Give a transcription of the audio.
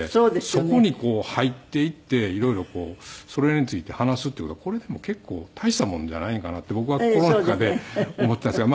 そこに入っていって色々それについて話すっていう事はこれでも結構大したもんじゃないんかなって僕は心の中で思っていたんですけど。